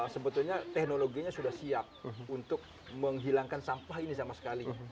sebetulnya teknologinya sudah siap untuk menghilangkan sampah ini sama sekali